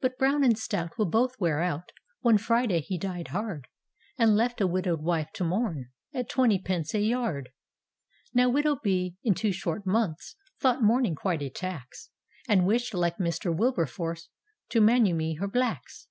But Brown and stout will both wear out One Friday he died hard. And left a widow'd wife to mourn At twenty pence a yard. Now widow B. in two short months Thought mouming quite a tax; And wished, like Mr, Wilberforcc, To manumit hei blacks.